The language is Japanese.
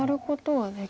はい。